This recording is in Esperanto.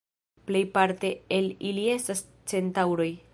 Plejparte el ili estas Centaŭroj.